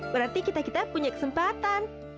berarti kita kita punya kesempatan